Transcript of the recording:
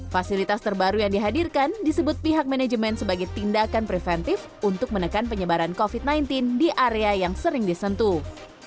fasilitas terbaru yang dihadirkan disebut pihak manajemen sebagai tindakan preventif untuk menekan penyebaran covid sembilan belas di area yang sering disentuh